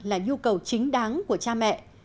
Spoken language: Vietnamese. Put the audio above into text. là nhu cầu chính đáng của cha mẹ